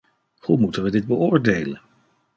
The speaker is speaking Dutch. Hoe moeten we dit beoordelen?